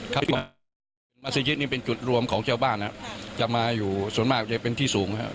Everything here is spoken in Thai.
ที่มัศยิตนี่เป็นจุดรวมของชาวบ้านนะครับจะมาอยู่ส่วนมากจะเป็นที่สูงครับ